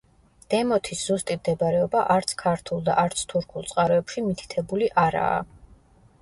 დემოთის ზუსტი მდებარეობა არც ქართულ და არც თურქულ წყაროებში მითითებული არააა.